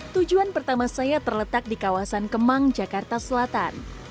tujuan pertama saya terletak di kawasan kemang jakarta selatan